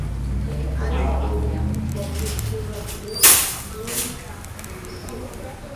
abaho kubwicyubahiro no kubisigo